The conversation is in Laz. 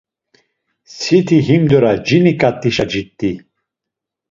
Siti himdora cini ǩat̆işa cit̆i.